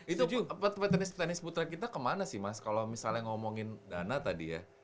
itu petenis tenis putra kita kemana sih mas kalau misalnya ngomongin dana tadi ya